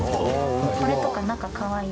これとか中かわいい。